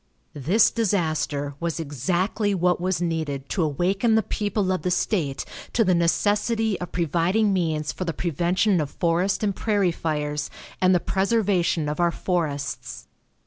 This disaster was exactly what was needed to awaken the people of the state to the necessity of providing means for the prevention of forest and prairie fires and the preservation of our forests.